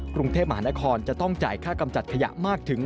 กรุงเทพมหานครจะต้องจ่ายค่ากำจัดขยะมากถึง